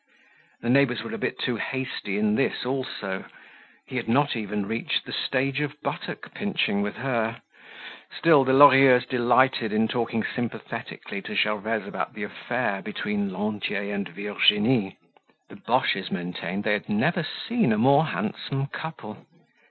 The neighbors were a bit too hasty in this also; he had not even reached the stage of buttock pinching with her. Still, the Lorilleuxs delighted in talking sympathetically to Gervaise about the affair between Lantier and Virginie. The Boches maintained they had never seen a more handsome couple.